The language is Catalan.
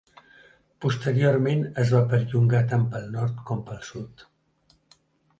Posteriorment es va perllongar tant pel nord com pel sud.